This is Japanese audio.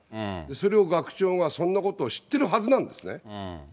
それを学長がそんなことを知ってるはずなんですね。